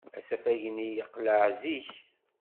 Asafag-nni yeqleɛ zik.